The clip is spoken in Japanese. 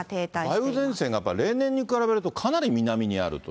梅雨前線なんか、例年に比べるとかなり南にあるという。